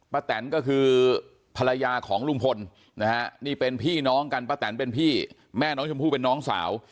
แตนก็คือภรรยาของลุงพลนะฮะนี่เป็นพี่น้องกันป้าแตนเป็นพี่แม่น้องชมพู่เป็นน้องสาว